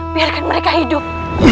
biarkan mereka hidup